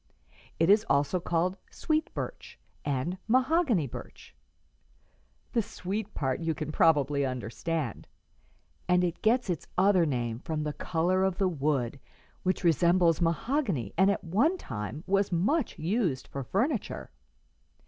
It is also called sweet birch and mahogany birch; the sweet part you can probably understand, and it gets its other name from the color of the wood, which often resembles mahogany and at one time was much used for furniture.